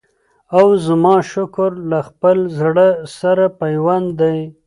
او زما شکر له خپل زړه سره پیوند دی